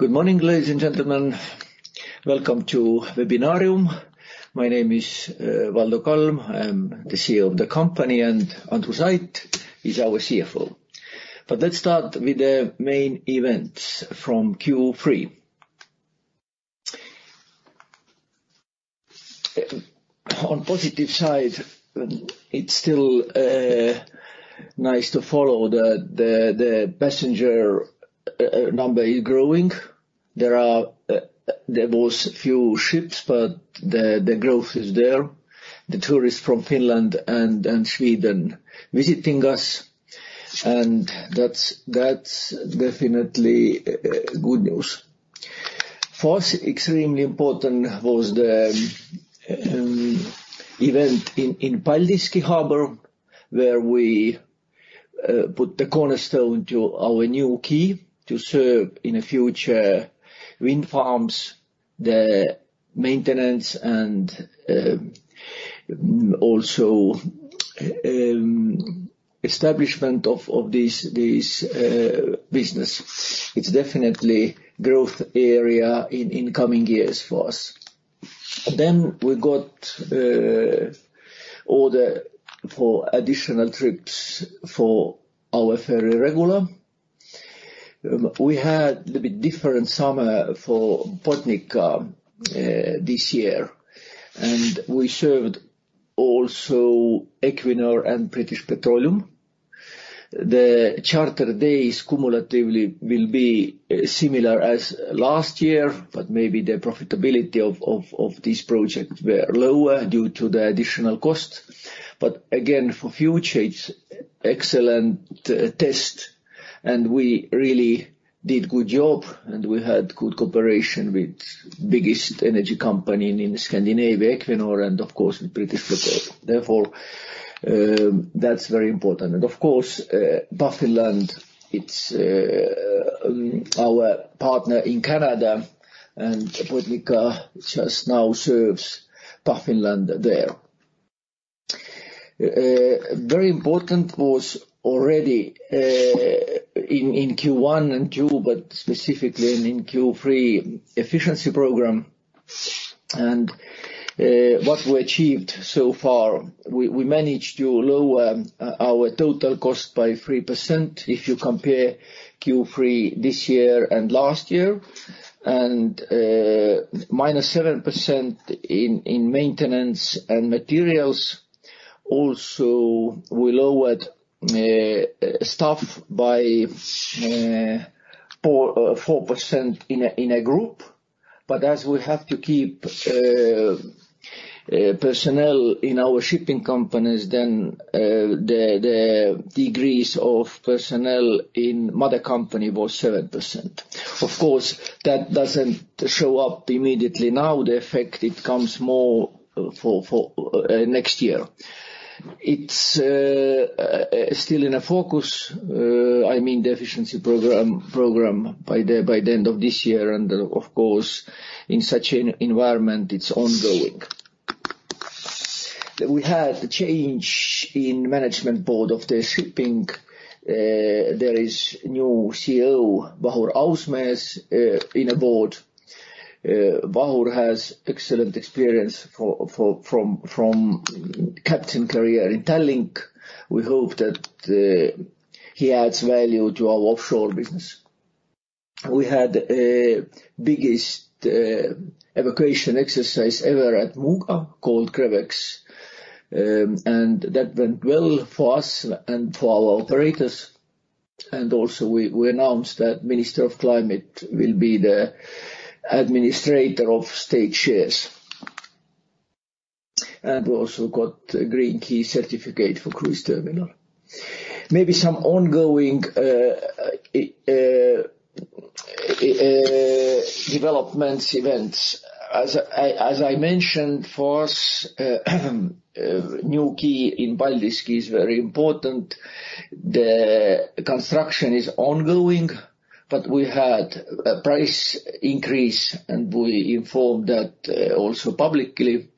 Good morning, ladies and gentlemen. Welcome to Webbinarium. My name is Valdo Kalm. I'm the CEO of the company, and Andrus Ait is our CFO. But let's start with the main events from Q3. On positive side, it's still nice to follow the passenger number is growing. There was few ships, but the growth is there. The tourists from Finland and Sweden visiting us, and that's definitely good news. For us, extremely important was the event in Paldiski Harbour, where we put the cornerstone to our new quay to serve in a future wind farms, the maintenance and also establishment of this business. It's definitely growth area in coming years for us. Then we got the order for additional trips for our ferry regular. We had a bit different summer for Botnica, this year, and we served also Equinor and British Petroleum. The charter days cumulatively will be similar as last year, but maybe the profitability of this project were lower due to the additional cost. But again, for future, it's excellent test, and we really did good job, and we had good cooperation with biggest energy company in the Scandinavia, Equinor, and of course, with British Petroleum. Therefore, that's very important. And of course, Baffinland, it's our partner in Canada, and Botnica just now serves Baffinland there. Very important was already in Q1 and Q2, but specifically in Q3, efficiency program, and what we achieved so far, we managed to lower our total cost by 3%, if you compare Q3 this year and last year, and -7% in maintenance and materials. Also, we lowered staff by 4% in a group. But as we have to keep personnel in our shipping companies, then the decrease of personnel in mother company was 7%. Of course, that doesn't show up immediately. The effect comes more for next year. It's still in focus, I mean, the efficiency program by the end of this year, and of course, in such an environment, it's ongoing. We had a change in management board of the shipping. There is new CEO, Vahur Ausmees, in a board. Vahur has excellent experience from captain career in Tallink. We hope that he adds value to our offshore business. We had a biggest evacuation exercise ever at Muuga, called CREVEX, and that went well for us and for our operators. We also announced that Minister of Climate will be the administrator of state shares. We also got a Green Key certificate for cruise terminal. Maybe some ongoing developments, events. As I mentioned, for us, new quay in Paldiski is very important. The construction is ongoing, but we had a price increase, and we informed that also publicly.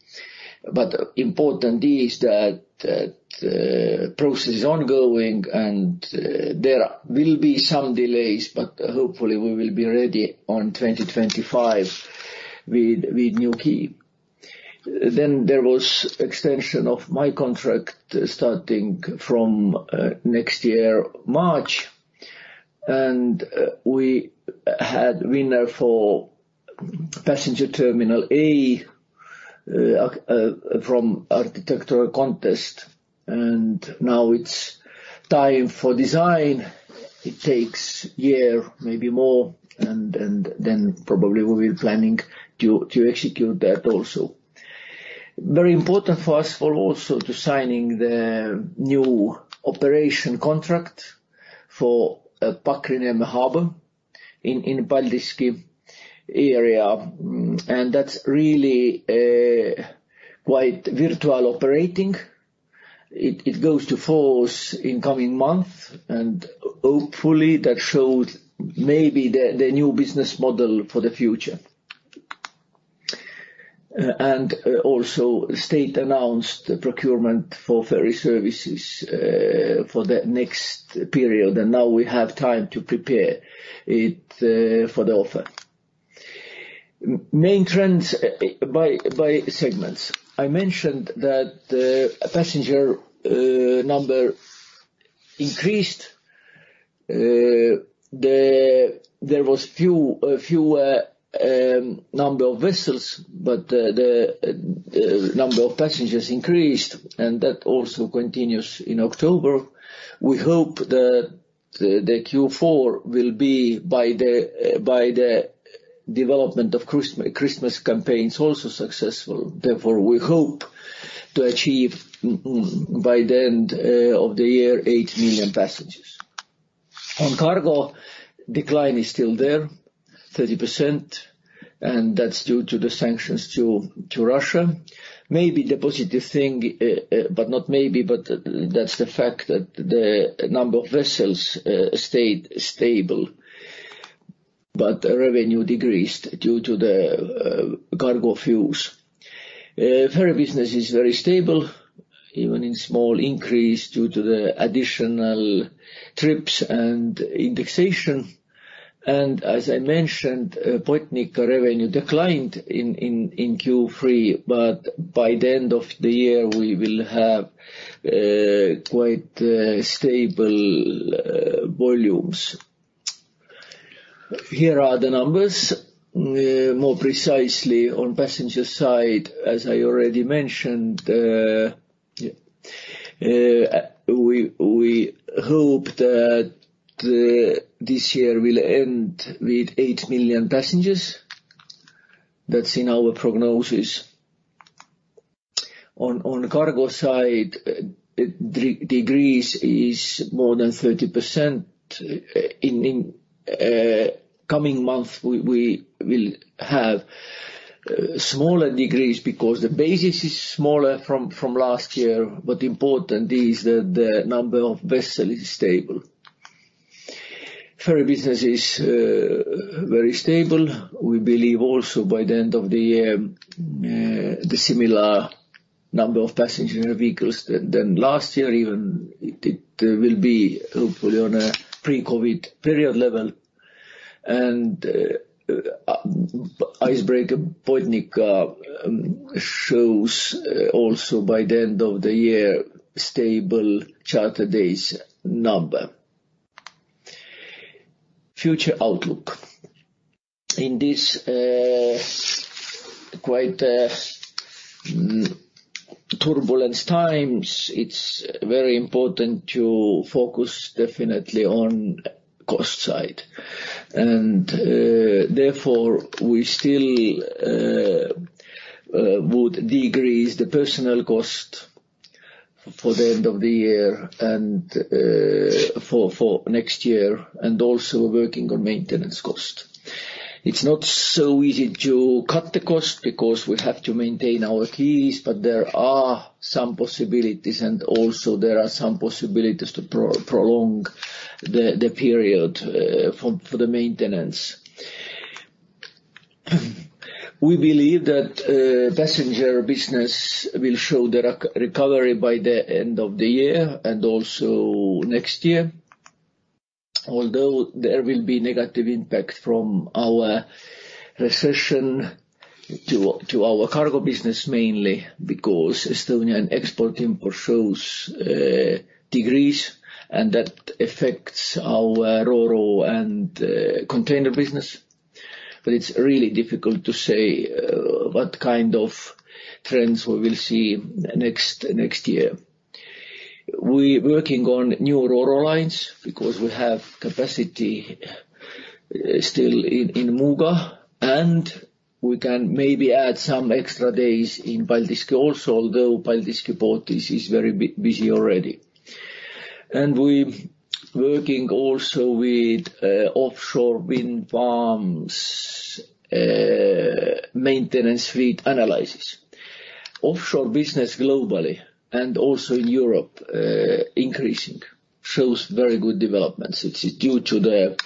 But important is that, that, process is ongoing and, there will be some delays, but hopefully we will be ready on 2025 with, with new quay. Then there was extension of my contract starting from, next year, March, and we had winner for passenger terminal A, from architectural contest, and now it's time for design. It takes year, maybe more, and, and then probably we'll be planning to, to execute that also. Very important for us are also to signing the new operation contract for Pakri Harbour in, in Paldiski area, and that's really a quite virtual operating. It, it goes into force in coming month, and hopefully, that shows maybe the, the new business model for the future. Also, the state announced the procurement for ferry services for the next period, and now we have time to prepare it for the offer. Main trends by segments. I mentioned that passenger number increased. There was a fewer number of vessels, but the number of passengers increased, and that also continues in October. We hope that the Q4 will be by the development of Christmas campaigns also successful. Therefore, we hope to achieve by the end of the year 8 million passengers. On cargo, decline is still there, 30%, and that's due to the sanctions to Russia. Maybe the positive thing, but not maybe, but that's the fact that the number of vessels stayed stable, but revenue decreased due to the cargo fees. Ferry business is very stable, even in small increase due to the additional trips and indexation. And as I mentioned, Paldiski revenue declined in Q3, but by the end of the year, we will have quite stable volumes. Here are the numbers. More precisely on passenger side, as I already mentioned, we hope that this year will end with 8 million passengers. That's in our prognosis. On cargo side, decrease is more than 30%. In coming month, we will have smaller decrease because the basis is smaller from last year, but important is that the number of vessel is stable. Ferry business is very stable. We believe also by the end of the year, the similar number of passenger vehicles than last year, even it will be hopefully on a pre-COVID period level. Icebreaker Botnica shows also by the end of the year, stable charter days number. Future outlook. In this quite turbulence times, it's very important to focus definitely on cost side. Therefore, we still would decrease the personnel cost for the end of the year and for next year, and also working on maintenance cost. It's not so easy to cut the cost because we have to maintain our quays, but there are some possibilities, and also there are some possibilities to prolong the period for the maintenance. We believe that passenger business will show the recovery by the end of the year and also next year, although there will be negative impact from our recession to our cargo business, mainly because Estonian export, import shows decrease, and that affects our Ro-Ro and container business. But it's really difficult to say what kind of trends we will see next year. We working on new Ro-Ro lines because we have capacity still in Muuga, and we can maybe add some extra days in Paldiski also, although Paldiski Port is very busy already. And we working also with offshore wind farms maintenance fleet analysis. Offshore business globally and also in Europe increasing, shows very good developments. It's due to the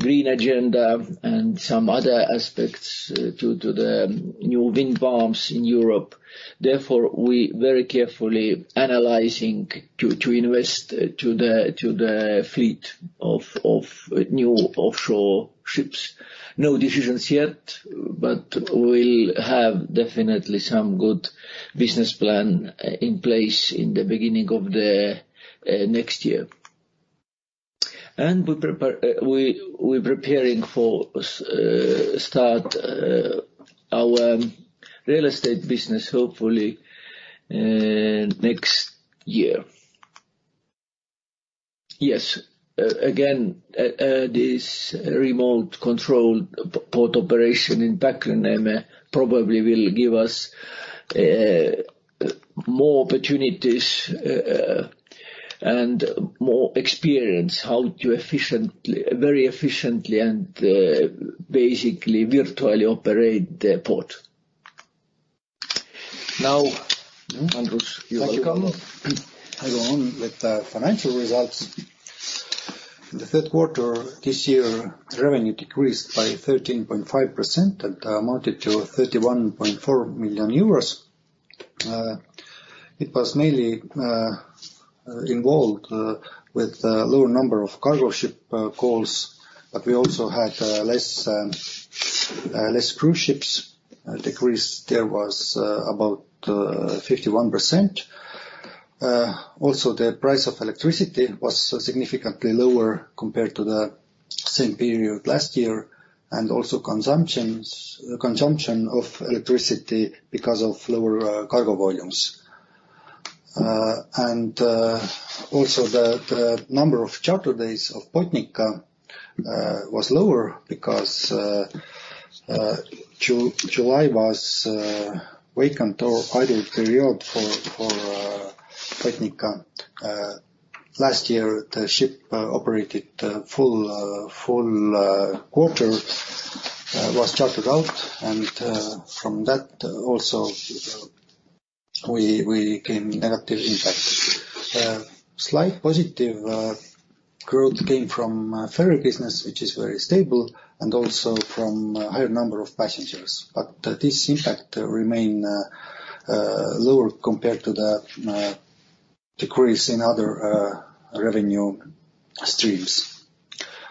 green agenda and some other aspects due to the new wind farms in Europe. Therefore, we very carefully analyzing to invest to the fleet of new offshore ships. No decisions yet, but we'll have definitely some good business plan in place in the beginning of the next year. And we're preparing for start our real estate business, hopefully next year. Yes, again, this remote control port operation in Pakrineeme probably will give us more opportunities and more experience how to very efficiently and basically virtually operate the port. Now, Andrus, you... Thank you, Kaido. I go on with the financial results. In the third quarter, this year, revenue decreased by 13.5% and amounted to 31.4 million euros. It was mainly involved with a lower number of cargo ship calls, but we also had less cruise ships. Decrease there was about 51%. Also, the price of electricity was significantly lower compared to the same period last year, and also consumption of electricity because of lower cargo volumes. And also the number of charter days of Botnica was lower because July was vacant or idle period for Botnica. Last year, the ship operated full quarter was chartered out, and from that also, we gained negative impact. Slight positive growth came from ferry business, which is very stable, and also from a higher number of passengers. But this impact remain lower compared to the decrease in other revenue streams.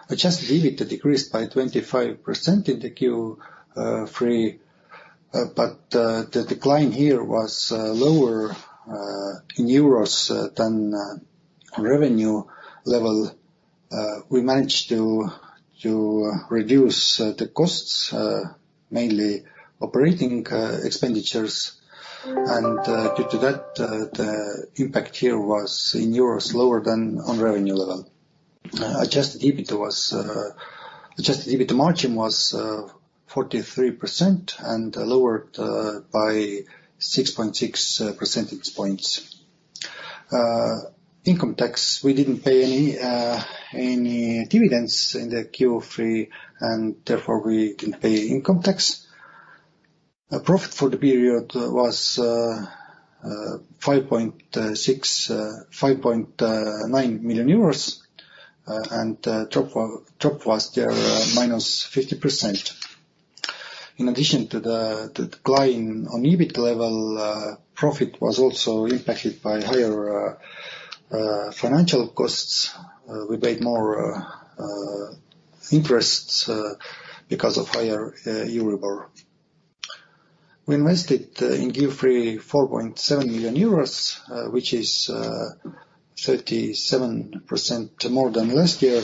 Adjusted EBIT decreased by 25% in the Q3, but the decline here was lower in euros than revenue level. We managed to reduce the costs mainly operating expenditures. And due to that, the impact here was in euros, lower than on revenue level. Adjusted EBITDA was adjusted EBITDA margin was 43% and lowered by 6.6 percentage points. Income tax, we didn't pay any dividends in Q3, and therefore, we didn't pay income tax. Profit for the period was 5.9 million euros, and drop was there -50%. In addition to the decline on EBIT level, profit was also impacted by higher financial costs. We paid more interest because of higher Euribor. We invested in Q3 4.7 million euros, which is 37% more than last year.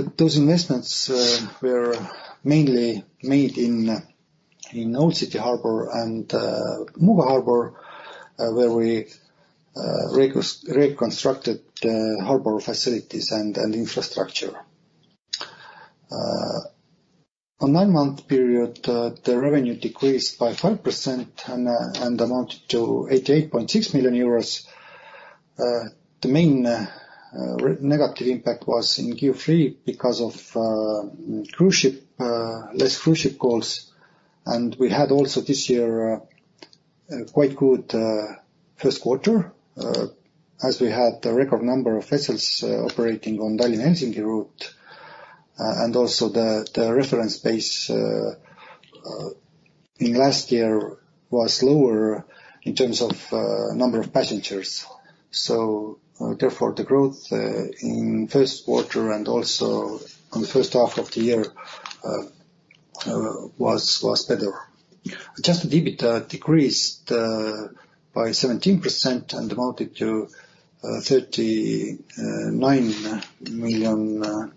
Those investments were mainly made in Old City Harbour and Muuga Harbour, where we reconstructed the harbour facilities and infrastructure. On nine-month period, the revenue decreased by 5% and amounted to 88.6 million euros. The main negative impact was in Q3 because of less cruise ship calls. We had also this year a quite good first quarter as we had a record number of vessels operating on Tallinna-Helsinki route and also the reference base in last year was lower in terms of number of passengers. Therefore, the growth in first quarter and also on the first half of the year was better. Adjusted EBIT decreased by 17% and amounted to 39 million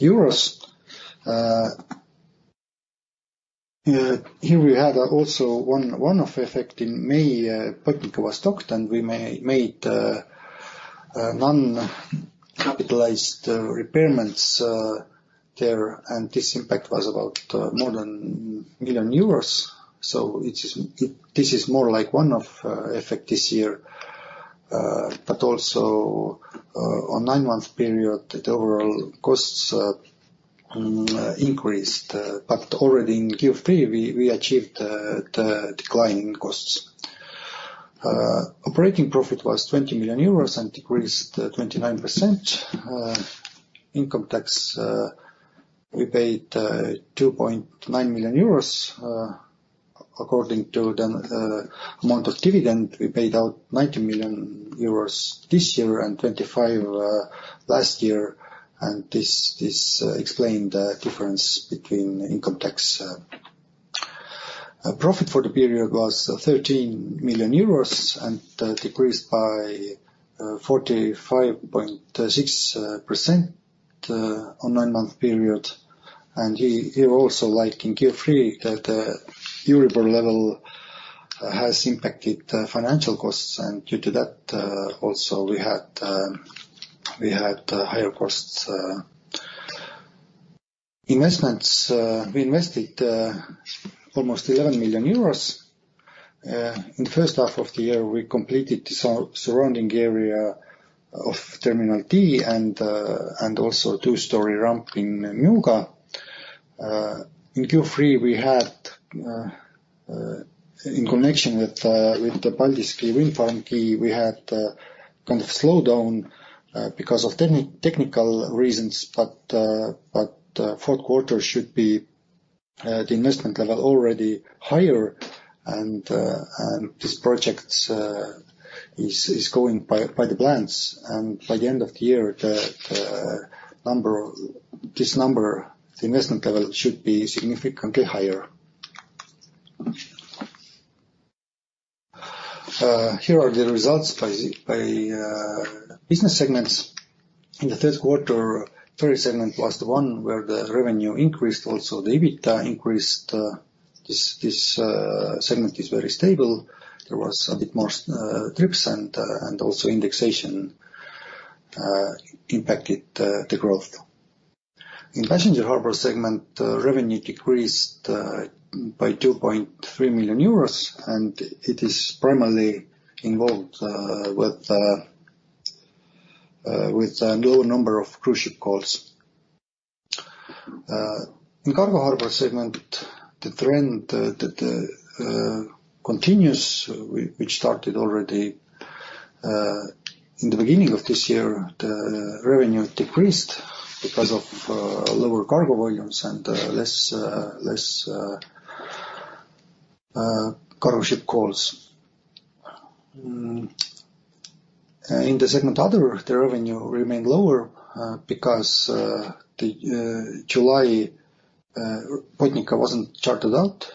euros. Here we had also one-off effect in May. Botnica was docked, and we made a non-capitalized repairs there, and this impact was about more than 1 million euros. So this is more like one-off effect this year. But also on nine-month period, the overall costs increased, but already in Q3, we achieved the decline in costs. Operating profit was 20 million euros and decreased 29%. Income tax we paid 2.9 million euros according to the amount of dividend. We paid out 90 million euros this year and 25 million last year, and this explained the difference between income tax. Profit for the period was 13 million euros and decreased by 45.6% on nine-month period. And here also, like in Q3, that the Euribor level has impacted the financial costs, and due to that, also we had higher costs. Investments, we invested almost 11 million euros. In the first half of the year, we completed surrounding area of Terminal T and also two-story ramp in Muuga. In Q3, we had in connection with the Paldiski wind farm quay, kind of slowdown because of technical reasons. But fourth quarter should be the investment level already higher, and this project is going by the plans. By the end of the year, the number, this number, the investment level, should be significantly higher. Here are the results by business segments. In the third quarter, ferry segment was the one where the revenue increased, also the EBITDA increased. This segment is very stable. There was a bit more trips, and also indexation impacted the growth. In passenger harbor segment, revenue decreased by 2.3 million euros, and it is primarily involved with a low number of cruise ship calls. In cargo harbor segment, the trend continues, which started already in the beginning of this year. The revenue decreased because of lower cargo volumes and less cargo ship calls. In the other segment, the revenue remained lower because the July Botnica wasn't chartered out,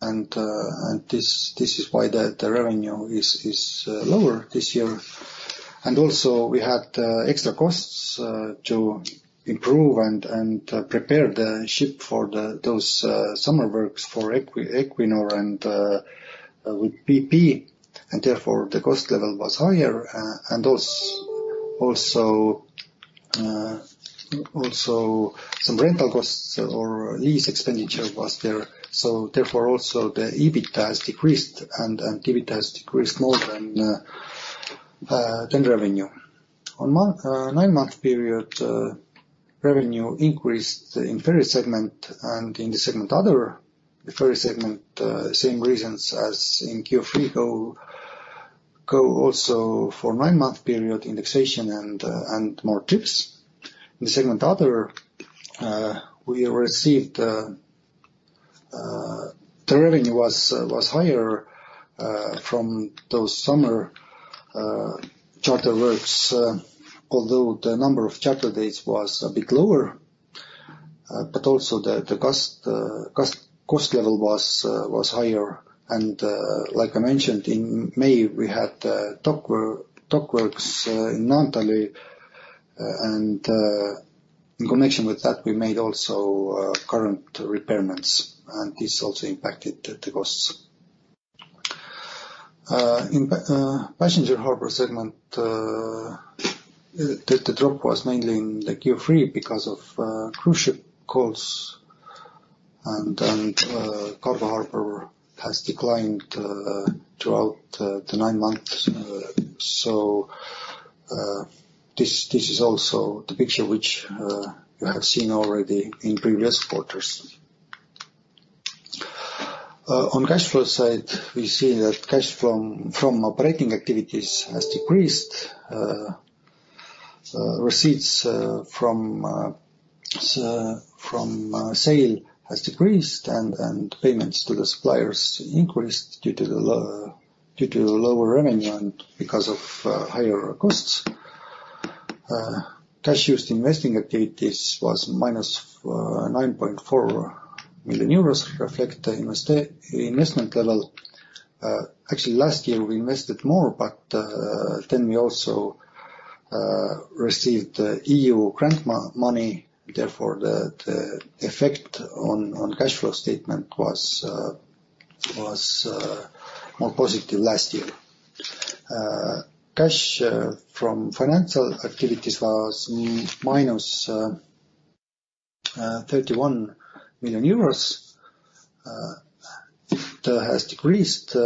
and this is why the revenue is lower this year. And also, we had extra costs to improve and prepare the ship for those summer works for Equinor and with BP. And therefore, the cost level was higher, and those also some rental costs or lease expenditure was there. So therefore, also the EBITDA has decreased, and EBIT has decreased more than revenue. On nine-month period, revenue increased in ferry segment and in the other segment. The ferry segment, same reasons as in Q3 go also for nine-month period, indexation and more trips. In the segment other, we received the revenue was higher from those summer charter works, although the number of charter dates was a bit lower, but also the cost level was higher. Like I mentioned, in May, we had dockworks in Antalya, and in connection with that, we made also current repairs, and this also impacted the costs. In passenger harbor segment, the drop was mainly in the Q3 because of cruise ship calls, and cargo harbor has declined throughout the nine months. So, this is also the picture which you have seen already in previous quarters. On cash flow side, we see that cash from operating activities has decreased. Receipts from sales has decreased, and payments to the suppliers increased due to lower revenue and because of higher costs. Cash used in investing activities was -9.4 million euros, reflecting the investment level. Actually, last year, we invested more, but then we also received EU grant money. Therefore, the effect on the cash flow statement was more positive last year. Cash from financial activities was -31 million euros. That has decreased.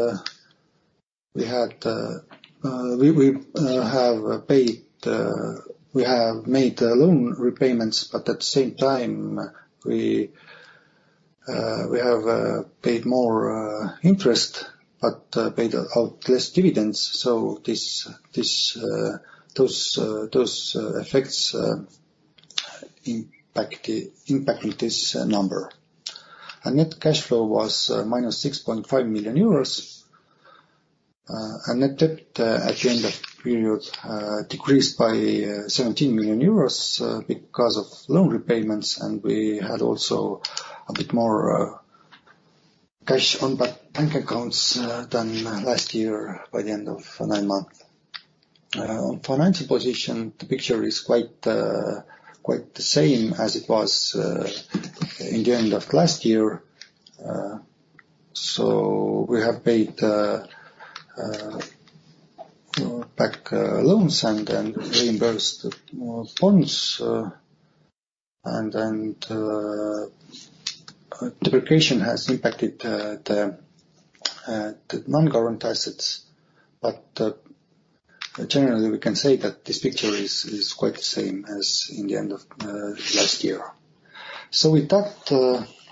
We have made loan repayments, but at the same time, we have paid more interest, but paid out less dividends. So those effects impact this number. And net cash flow was -6.5 million euros, and net debt at the end of period decreased by 17 million euros because of loan repayments, and we had also a bit more cash on our bank accounts than last year by the end of nine month. On financial position, the picture is quite the same as it was in the end of last year. So we have paid back loans and then reimbursed more bonds, and then depreciation has impacted the non-current assets. But Generally, we can say that this picture is quite the same as in the end of last year. So with that,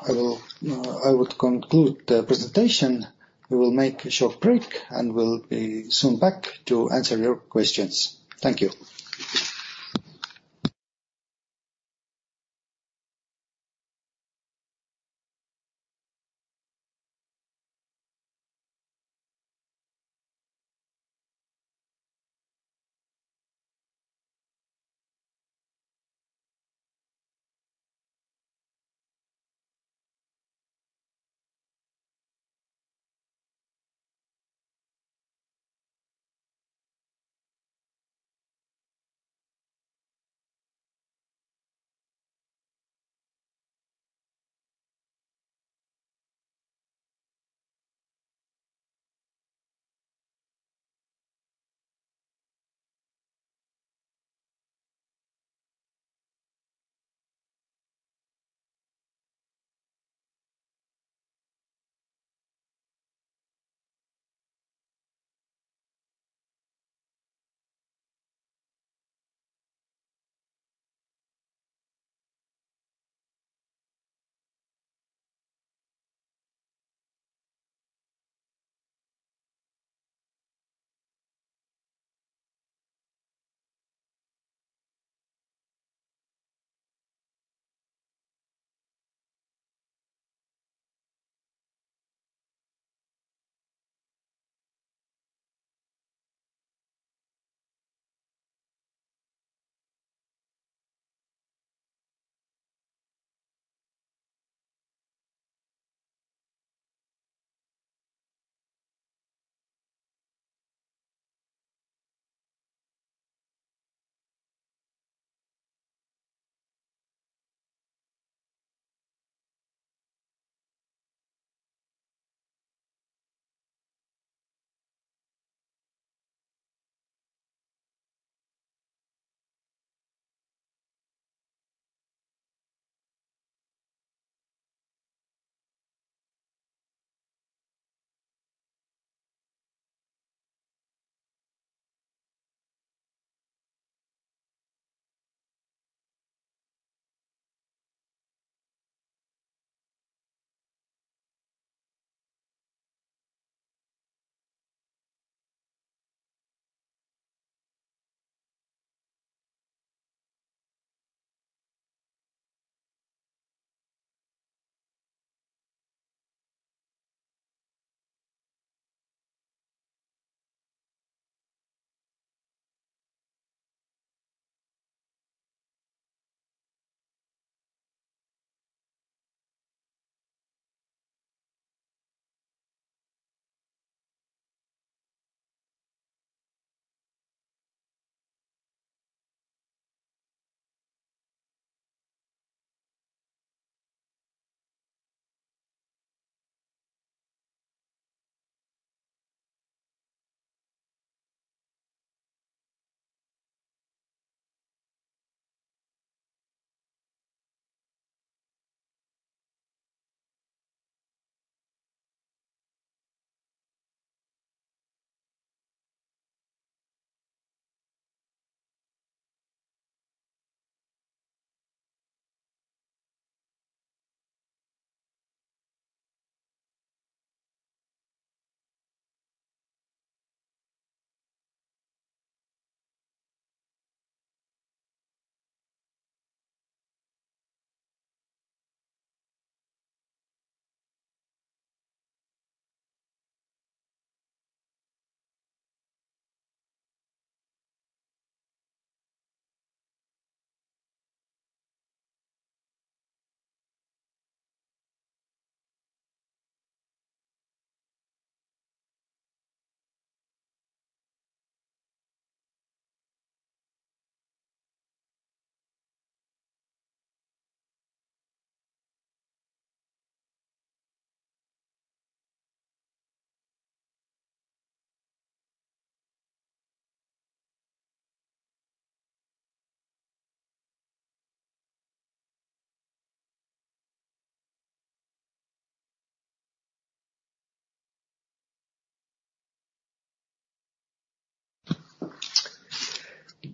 I would conclude the presentation. We will make a short break, and we'll be soon back to answer your questions. Thank you.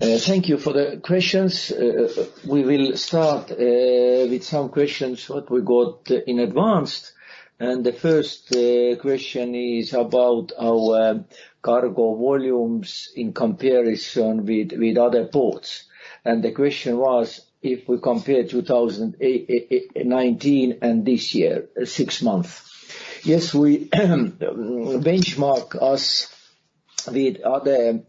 Thank you for the questions. We will start with some questions that we got in advance, and the first question is about our cargo volumes in comparison with other ports. And the question was, if we compare 2018 and this year, six months. Yes, we benchmark us with other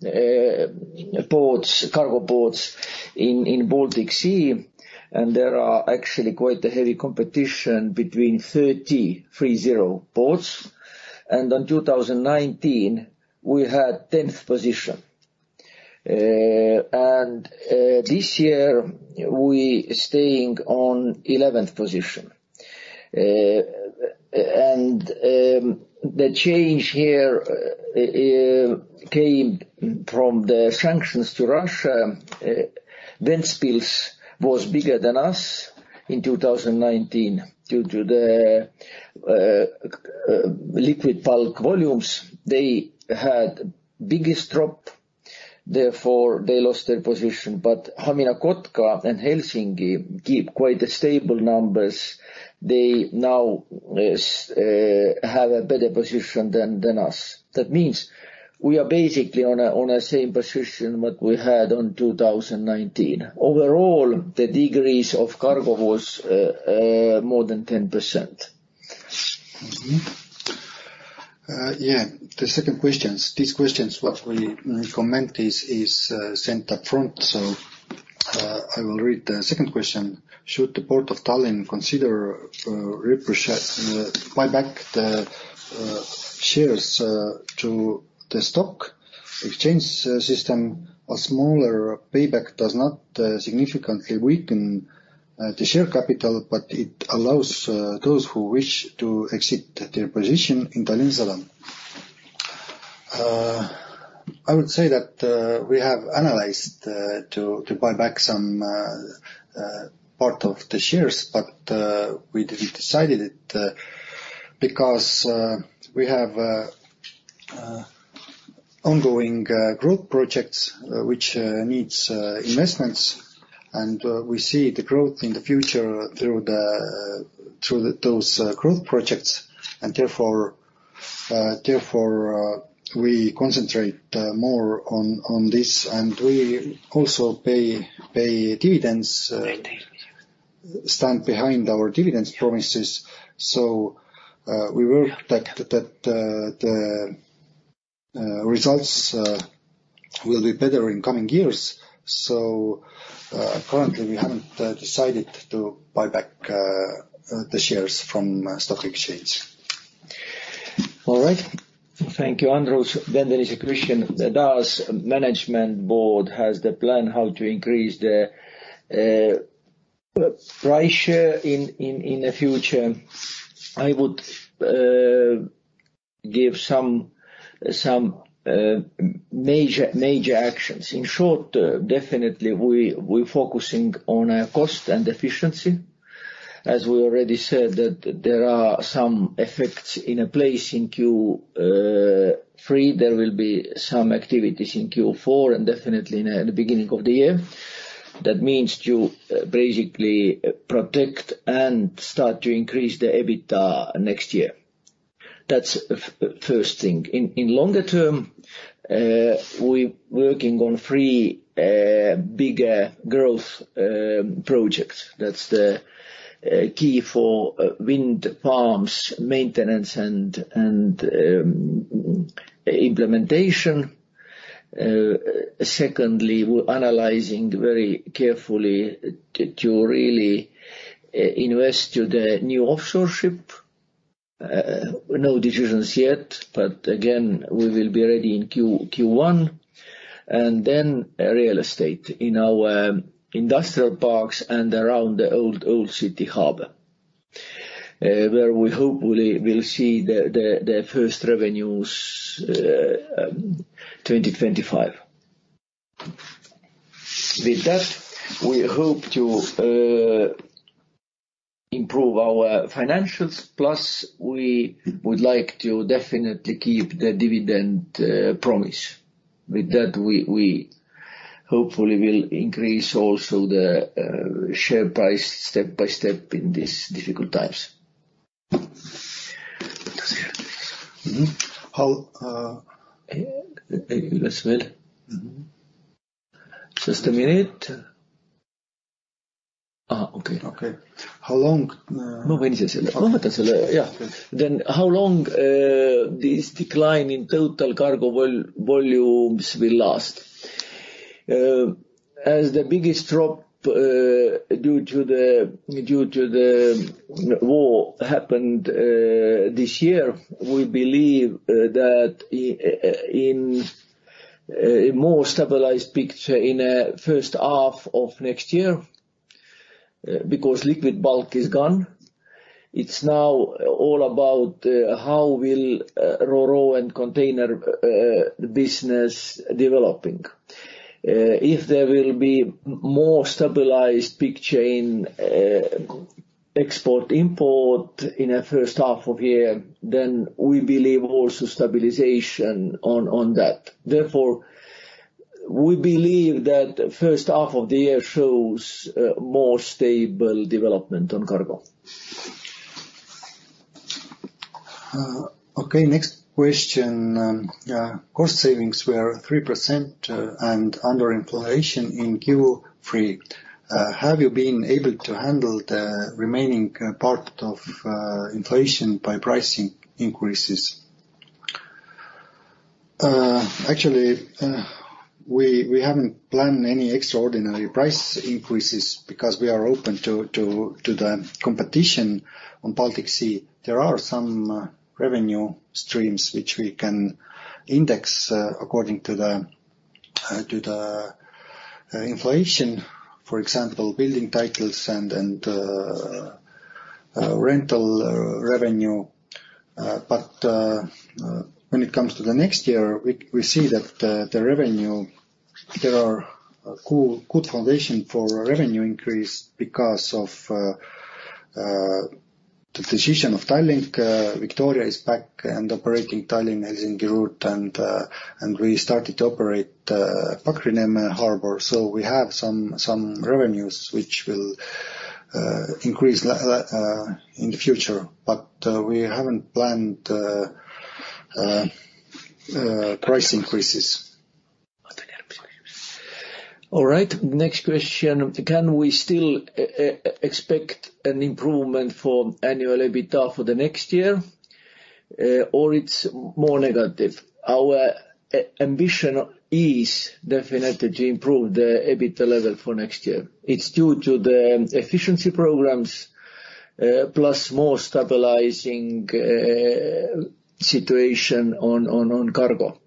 ports, cargo ports in Baltic Sea, and there are actually quite a heavy competition between 30 ports, and on 2019, we had tenth position. And this year, we staying on eleventh position. The change here came from the sanctions to Russia. Ventspils was bigger than us in 2019, due to the liquid bulk volumes, they had biggest drop, therefore they lost their position. But Hamina-Kotka and Helsinki keep quite a stable numbers. They now have a better position than us. That means we are basically on a same position what we had on 2019. Overall, the decrease of cargo was more than 10%. Mm-hmm. Yeah, the second questions, these questions, what we comment is sent up front. I will read the second question: Should the Port of Tallinn consider buy back the shares to the stock exchange system? A smaller payback does not significantly weaken the share capital, but it allows those who wish to exit their position in Tallinna Sadam. I would say that we have analyzed to buy back some part of the shares, but we didn't decided it because we have ongoing growth projects which needs investments. And we see the growth in the future through the those growth projects, and therefore we concentrate more on this, and we also pay dividends, stand behind our dividends promises. So we hope that the results will be better in coming years. So currently, we haven't decided to buy back the shares from stock exchange. All right. Thank you, Andrus. Then there is a question: Does management board has the plan how to increase the price share in the future? I would give some major actions. In short, definitely, we're focusing on cost and efficiency. As we already said, that there are some effects in place in Q3. There will be some activities in Q4, and definitely in the beginning of the year. That means to basically protect and start to increase the EBITDA next year. That's first thing. In longer term, we working on three bigger growth projects. That's the key for wind farms maintenance and implementation. Secondly, we're analyzing very carefully to really invest to the new offshore ship. No decisions yet, but again, we will be ready in Q1, and then real estate in our industrial parks and around the old city hub, where we hopefully will see the first revenues in 2025. With that, we hope to improve our financials, plus we would like to definitely keep the dividend promise. With that, we hopefully will increase also the share price step by step in these difficult times. Mm-hmm. How- As well? Mm-hmm. Just a minute. Okay. Okay. How long, Yeah. Then how long this decline in total cargo volumes will last? As the biggest drop due to the war happened this year, we believe that in a more stabilized picture in a first half of next year, because liquid bulk is gone. It's now all about how will Ro-Ro and container business developing. If there will be more stabilized picture in export, import in a first half of year, then we believe also stabilization on that. Therefore, we believe that first half of the year shows more stable development on cargo. Okay, next question. Cost savings were 3%, and under inflation in Q3. Have you been able to handle the remaining part of inflation by pricing increases? Actually, we haven't planned any extraordinary price increases because we are open to the competition on Baltic Sea. There are some revenue streams which we can index according to the inflation, for example, building titles and... So rental revenue, but when it comes to the next year, we see that the revenue, there are a good foundation for a revenue increase because of the decision of Tallink, Victoria is back and operating Tallinn-Helsinki route. And, and we started to operate Pakri Harbour. So we have some revenues which will increase in the future, but we haven't planned price increases. All right, next question: Can we still expect an improvement for annual EBITDA for the next year, or it's more negative? Our ambition is definitely to improve the EBITDA level for next year. It's due to the efficiency programs, plus more stabilizing situation on cargo.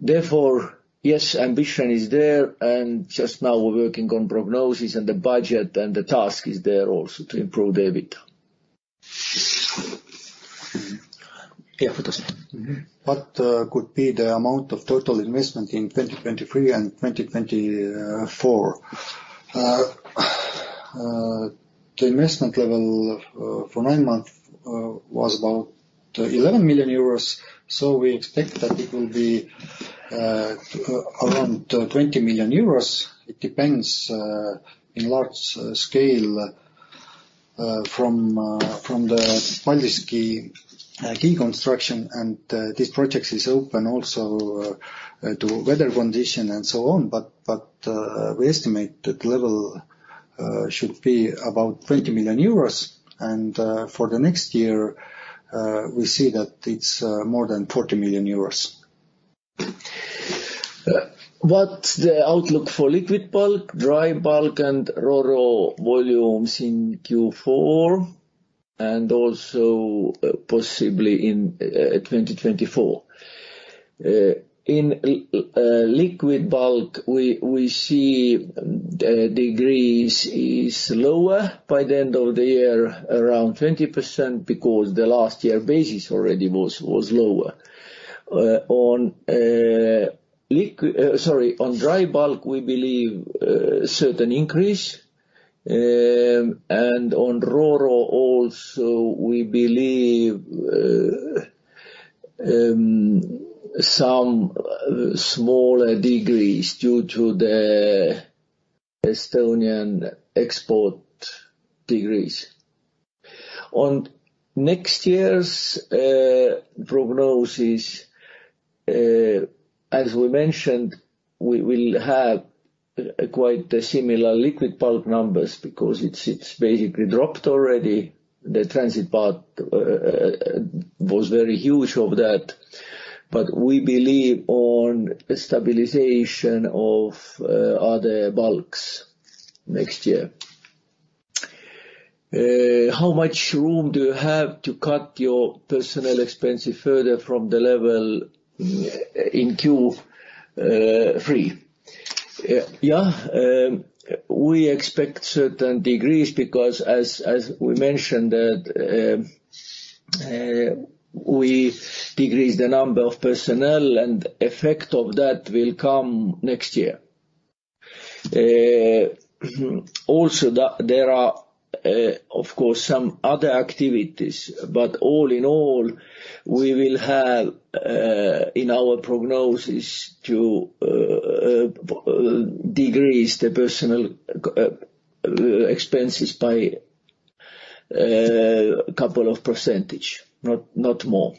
Therefore, yes, ambition is there, and just now we're working on prognosis and the budget, and the task is there also to improve the EBITDA. Yeah, Putas. What could be the amount of total investment in 2023 and 2024? The investment level for nine month was about 11 million euros, so we expect that it will be around 20 million euros. It depends in large scale from the Paldiski quay construction. And these projects is open also to weather condition and so on. But we estimate that level should be about 20 million euros. And for the next year we see that it's more than 40 million euros. What's the outlook for liquid bulk, dry bulk, and Ro-Ro volumes in Q4, and also possibly in 2024? In liquid bulk, we see the decrease is lower by the end of the year, around 20%, because the last year basis already was lower. On dry bulk, we believe certain increase. And on Ro-Ro, also, we believe some smaller decrease due to the Estonian export decrease. On next year's prognosis, as we mentioned, we will have quite similar liquid bulk numbers because it's basically dropped already. The transit part was very huge of that, but we believe on stabilization of other bulks next year. How much room do you have to cut your personnel expenses further from the level in Q3? Yeah, we expect certain degrees because as we mentioned, that we decrease the number of personnel, and effect of that will come next year. Also, there are of course some other activities, but all in all, we will have in our prognosis to decrease the personnel expenses by a couple of percentage, not more.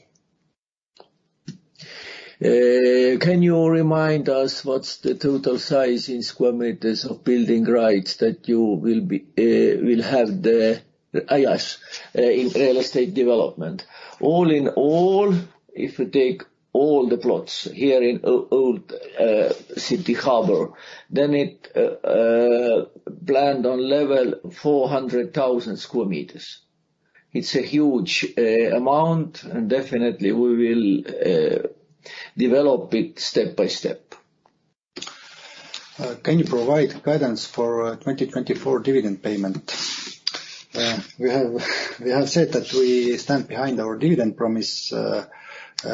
Can you remind us what's the total size in square meters of building rights that you will have the areas in real estate development? All in all, if you take all the plots here in Old City Harbour, then it planned on level 400,000 sq m. It's a huge amount, and definitely we will develop it step by step. Can you provide guidance for 2024 dividend payment? We have said that we stand behind our dividend promise.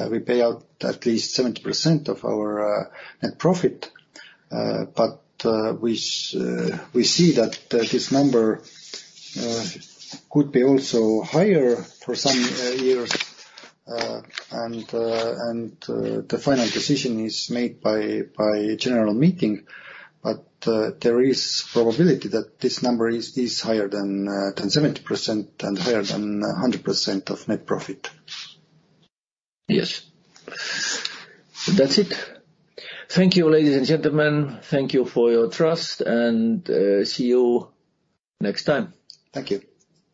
We pay out at least 70% of our net profit, but we see that this number could be also higher for some years. The final decision is made by general meeting. But there is probability that this number is higher than 70% and higher than 100% of net profit. Yes. That's it. Thank you, ladies and gentlemen. Thank you for your trust, and see you next time. Thank you.